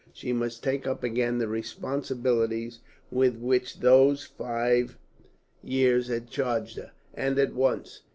She must take up again the responsibilities with which those five years had charged her, and at once.